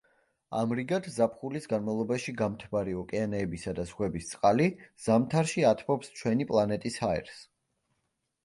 ამრიგად, ზაფხულის განმავლობაში გამთბარი ოკეანეებისა და ზღვების წყალი ზამთარში ათბობს ჩვენი პლანეტის ჰაერს.